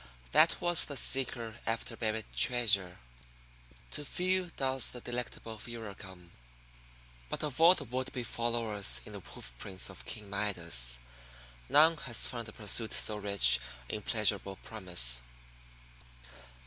That was the Seeker after Buried Treasure. To few does the delectable furor come. But of all the would be followers in the hoof prints of King Midas none has found a pursuit so rich in pleasurable promise.